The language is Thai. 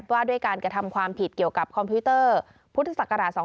หรือว่าด้วยการกระทำความผิดเกี่ยวกับคอมพิวเตอร์พศ๒๕๕๐